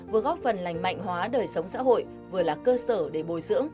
vừa góp phần lành mạnh hóa đời sống xã hội vừa là cơ sở để bồi dưỡng